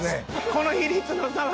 この比率の差は。